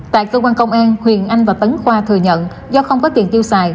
tại cơ quan công an huyền anh và tấn khoa thừa nhận do không có tiền tiêu xài